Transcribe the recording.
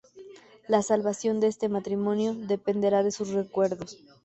La salvación de este matrimonio dependerá de sus recuerdos.